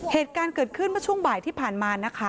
เหตุการณ์เกิดขึ้นเมื่อช่วงบ่ายที่ผ่านมานะคะ